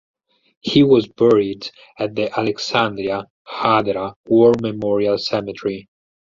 He was buried at the Alexandria (Hadra) War Memorial Cemetery.